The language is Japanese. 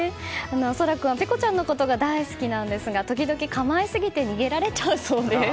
空君は、ペコちゃんのことが大好きなんですが時々かまいすぎて逃げられちゃうそうです。